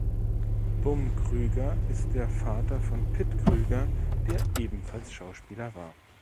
Bum Krüger ist der Vater von Pit Krüger, der ebenfalls Schauspieler war.